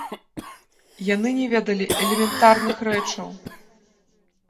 Яны не ведалі элементарных рэчаў.